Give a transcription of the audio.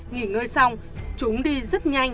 nghỉ ngơi xong chúng đi rất nhanh